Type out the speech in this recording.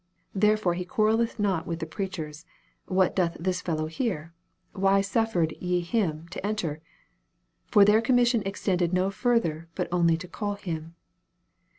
Therefore he quarrelleth not with the preachers, ' What doth this fellow here ? why suffered ye him to enter ?' For their commission extended no further but only to call him.